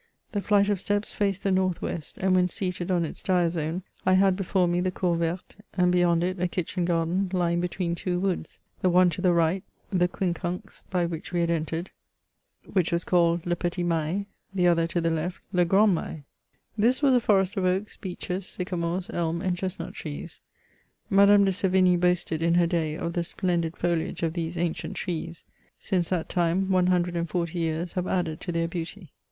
The flight of steps faced the north west, and, when seated on its diazome, I had before me the " cour verte,'* and beyond it a kitchen garden lying between two woods ; the one to the right, the quincunx by which we had entered, which was called "Le petit Mail ;" the other to the left " Le grand Mail." This was a forest of oaks, beeches, sycamores, elm, and chestnut trees. Madame de Sevigny boasted, in her day, of the splendid foliage of these ancient trees ; since that time, one hundred and forty years have added to their beauty.